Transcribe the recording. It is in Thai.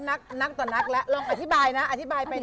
นักต่อนักแล้วลองอธิบายนะอธิบายไป